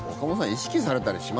意識されたりします？